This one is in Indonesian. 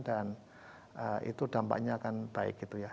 dan itu dampaknya akan baik gitu ya